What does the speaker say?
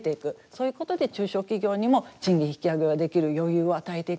そういうことで中小企業にも賃金引き上げができる余裕を与えていく。